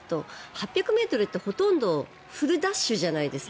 ８００ｍってほとんどフルダッシュじゃないですか。